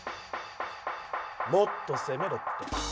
もっと攻めろって！